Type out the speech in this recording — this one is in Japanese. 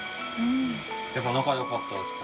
やっぱ仲良かったですか？